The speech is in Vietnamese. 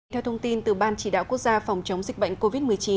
theo thông tin từ ban chỉ đạo quốc gia phòng chống dịch bệnh covid một mươi chín